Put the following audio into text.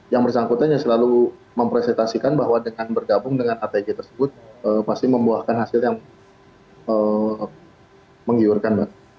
yang bersangkutan yang selalu mempresentasikan bahwa dengan bergabung dengan atg tersebut pasti membuahkan hasil yang menggiurkan